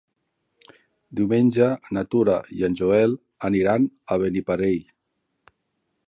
Diumenge na Tura i en Joel aniran a Beniparrell.